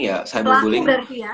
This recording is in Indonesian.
menjawab ini ya cyberbullying